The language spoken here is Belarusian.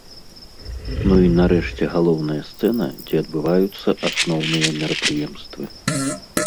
Ну і, нарэшце, галоўная сцэна, дзе адбываюцца асноўныя мерапрыемствы.